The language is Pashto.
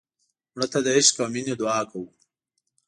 مړه ته د عشق او مینې دعا کوو